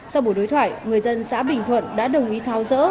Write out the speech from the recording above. sau buổi đối thoại người dân xã bình thuận đã đồng ý tháo rỡ